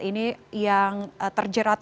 ini yang terjerat